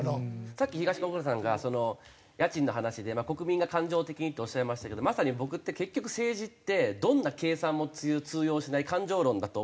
さっき東国原さんが家賃の話で「国民が感情的に」とおっしゃいましたけどまさに結局政治ってどんな計算も通用しない感情論だと思うんですよ。